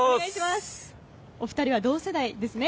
お二人は同世代ですね。